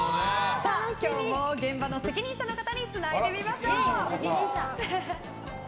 今日も現場の責任者の方につないでみましょう。